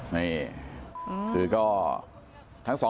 มีคลิปก่อนนะครับ